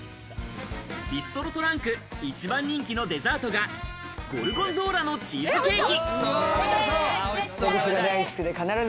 ビストロトランク一番人気のデザートがゴルゴンゾーラのチーズケーキ。